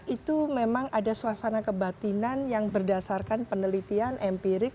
itu memang ada suasana kebatinan yang berdasarkan penelitian empirik